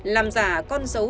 làm giả con dâu